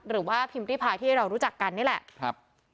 หรือว่าพิมพ์ริพายที่เรารู้จักกันนี่แหละครับ